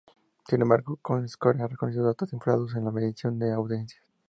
Sin embargo, comScore ha reconocido datos inflados en la medición de audiencias.